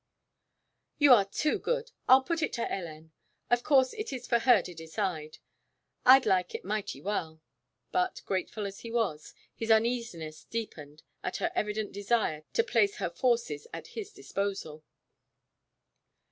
"You are too good. I'll put it up to Hélène. Of course it is for her to decide. I'd like it mighty well." But grateful as he was, his uneasiness deepened at her evident desire to place her forces at his disposal.